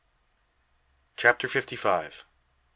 CHAPTER FIFTY FIVE.